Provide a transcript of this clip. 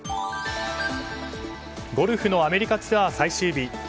ゴルフのアメリカツアー最終日。